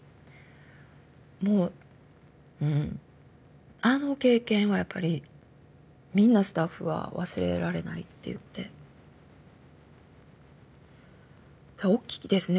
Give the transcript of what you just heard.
もううんあの経験はやっぱりみんなスタッフは忘れられないっていって大きいですね